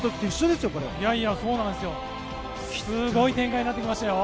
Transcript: すごい展開になってきましたよ。